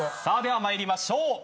さあでは参りましょう。